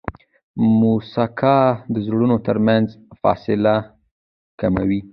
موسکا د زړونو ترمنځ فاصله کموي.